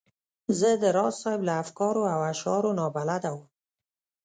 زه د راز صاحب له افکارو او اشعارو نا بلده وم.